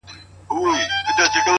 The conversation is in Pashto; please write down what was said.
هره موخه تمرکز او نظم غواړي.!